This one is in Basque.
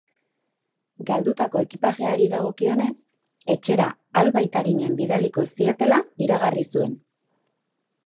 Galdutako ekipajeari dagokionez, etxera albait arinen bidaliko zietela iragarri zuen.